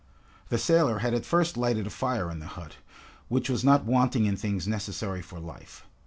The sailor had at first lighted a fire in the hut, which was not wanting in things necessary for life.